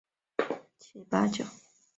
五大湖地区保持着很大数目的加拿大雁。